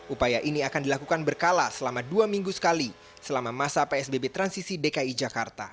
upaya ini akan dilakukan berkala selama dua minggu sekali selama masa psbb transisi dki jakarta